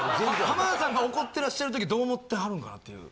浜田さんが怒ってらっしゃる時どう思ってはるんかなっていう。